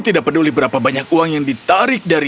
tidak peduli berapa banyak uang yang ditarik dari